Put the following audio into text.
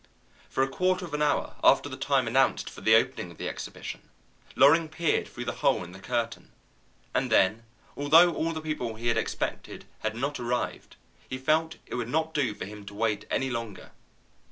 For a quarter of an hour after the time announced for the opening of the exhibition Loring peered through the hole in the curtain, and then, although all the people he had expected had not arrived, he felt it would not do for him to wait any longer.